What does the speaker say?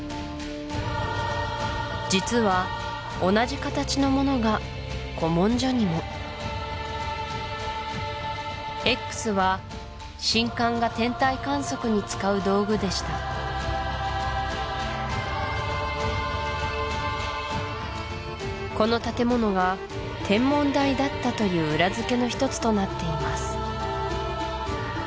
実は同じ形のものが古文書にもＸは神官が天体観測に使う道具でしたこの建物が天文台だったという裏付けのひとつとなっています